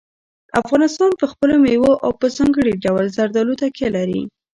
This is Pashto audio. افغانستان په خپلو مېوو او په ځانګړي ډول زردالو تکیه لري.